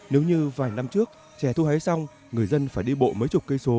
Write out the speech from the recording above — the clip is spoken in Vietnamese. nếu như vài năm trước trẻ thu hái xong người dân phải đi bộ mấy chục cây số